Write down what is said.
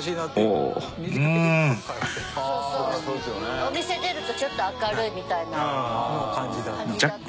お店出るとちょっと明るいみたいな感じだった。